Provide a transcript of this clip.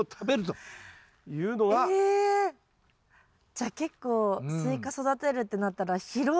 じゃあ結構スイカ育てるってなったら広い。